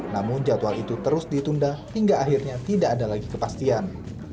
namun jadwal itu terus ditunda hingga akhirnya tidak ada lagi kepastian